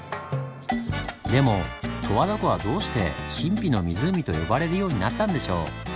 でも十和田湖はどうして「神秘の湖」と呼ばれるようになったんでしょう？